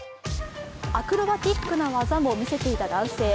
アクロバティックな技も見せていた男性。